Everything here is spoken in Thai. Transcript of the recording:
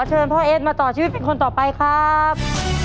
เชิญพ่อเอสมาต่อชีวิตเป็นคนต่อไปครับ